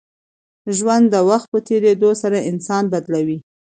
ژوند د وخت په تېرېدو سره انسان بدلوي.